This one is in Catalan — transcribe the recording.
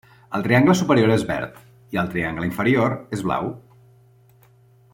El triangle superior és verd i el triangle inferior és blau.